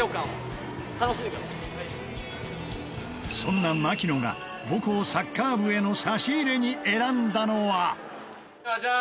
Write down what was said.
そんな槙野が母校サッカー部への差し入れに選んだのは？